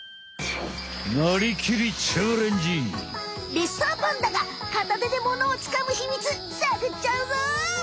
レッサーパンダがかた手でモノをつかむヒミツさぐっちゃうぞ！